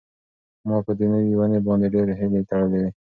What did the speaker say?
ما په دې نوې ونې باندې ډېرې هیلې تړلې وې.